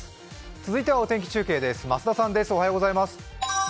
続いてはお天気中継です増田さん。